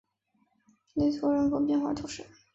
雷托人口变化图示